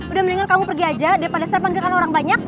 udah mendingan kamu pergi aja daripada saya panggilkan orang banyak